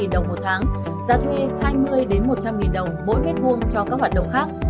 giá thuê hai mươi một trăm linh đồng mỗi mét vuông cho các hoạt động khác